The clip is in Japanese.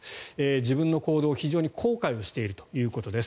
自分の行動を非常に後悔しているということです。